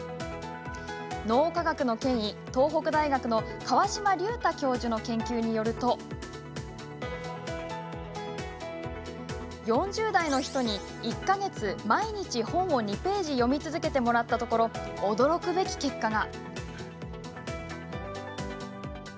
脳科学の権威、東北大学の川島隆太教授の研究によると４０代の人に１か月、毎日本を２ページ読み続けてもらったところ、驚くべき結果が。